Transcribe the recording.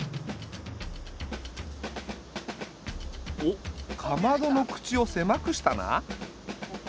おっかまどの口を狭くしたな。